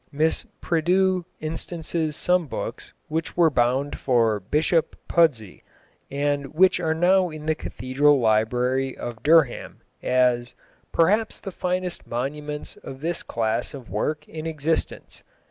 Miss Prideaux instances some books which were bound for Bishop Pudsey, and which are now in the cathedral library of Durham, as "perhaps the finest monuments of this class of work in existence."